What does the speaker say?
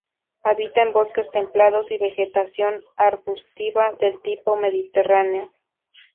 Habita en bosques templados y vegetación arbustiva de tipo mediterráneo.